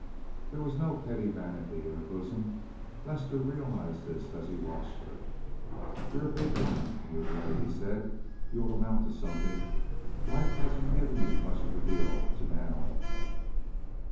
There was no pretty vanity in her bosom. Lester realized this as he watched her. "You're a big woman, in your way," he said. "You'll amount to something. Life hasn't given you much of a deal up to now."